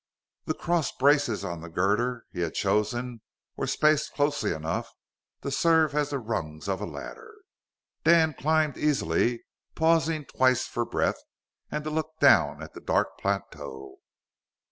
The cross braces on the girder he had chosen were spaced closely enough to serve as the rungs of a ladder. Dan climbed easily, pausing twice for breath, and to look down at the dark plateau.